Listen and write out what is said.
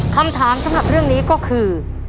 คำถามสำหรับเรื่องนี้ก็คือ